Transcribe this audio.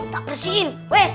tak bersihin wes